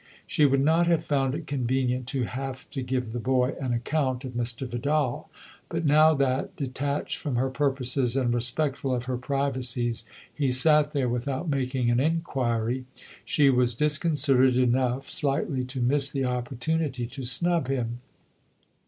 She would not have found it convenient to have to give the boy an account of Mr. Vidal ; but now that, detached from her purposes and respect ful of her privacies, he sat there without making an inquiry, she was disconcerted enough slightly to miss the opportunity to snub him.